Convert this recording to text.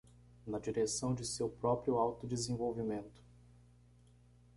na direção de seu próprio autodesenvolvimento